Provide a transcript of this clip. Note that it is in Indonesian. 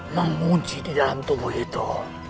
menguji di dalam tubuh itu